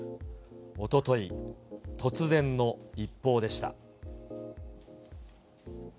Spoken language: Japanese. おととい、突然の一報でした。